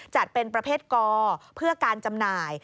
จัดเป็นประเภทกอเพื่อการจำหน่าย